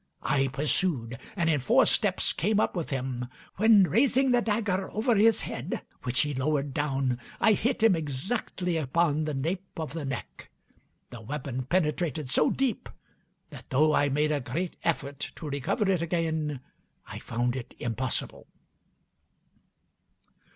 I pursued, and in four steps came up with him, when, raising the dagger over his head, which he lowered down, I hit him exactly upon the nape of the neck. The weapon penetrated so deep that, though I made a great effort to recover it again, I found it impossible."